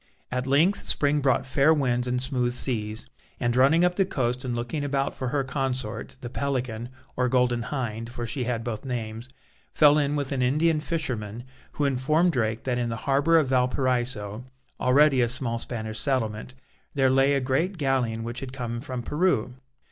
At length spring brought fair winds and smooth seas, and running up the coast and looking about for her consort, the Pelican or Golden Hind for she had both names fell in with an Indian fisherman, who informed Drake that in the harbour of Valparaiso, already a small Spanish settlement, there lay a great galleon which had come from Peru.